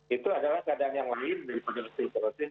itu adalah keadaan yang lain daripada osteoporosis